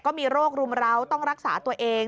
ก็มีโรครุมร้าวต้องรักษาตัวเอง